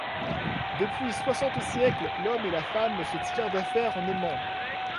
Depuis soixante siècles, l'homme et la femme se tirent d'affaire en aimant.